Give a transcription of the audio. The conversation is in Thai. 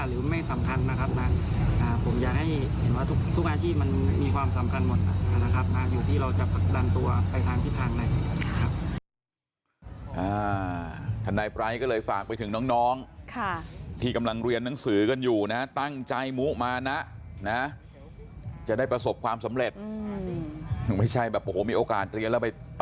หรือไม่สำคัญนะครับผมจะให้ทุกอาชีพมีความสำคัญหมด